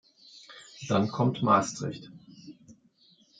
Dann kommt Maastricht.